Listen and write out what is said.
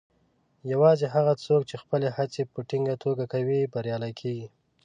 یوازې هغه څوک چې خپلې هڅې په ټینګه توګه کوي، بریالي کیږي.